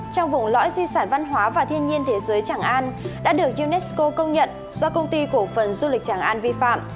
trong vùng lõi di sản văn hóa và thiên nhiên thế giới tràng an đã được unesco công nhận do công ty cổ phần du lịch tràng an vi phạm